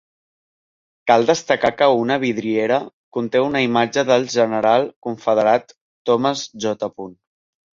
Cal destacar que una vidriera conté una imatge del general confederat Thomas J.